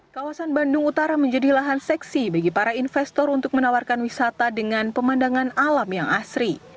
kawasan bandung utara menjadi lahan seksi bagi para investor untuk menawarkan wisata dengan pemandangan alam yang asri